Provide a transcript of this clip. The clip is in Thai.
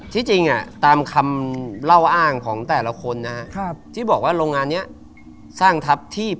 ที่จริงอ่ะตามคำเล่าอ้างของแต่ละคนนะ